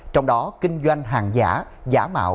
trong đó kinh doanh hàng giả giả mạo